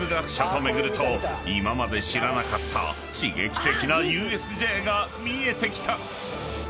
［今まで知らなかった刺激的なＵＳＪが見えてきた！］